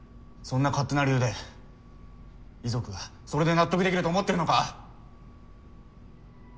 そんな勝手な理由で遺族がそれで納得できると思ってるのか？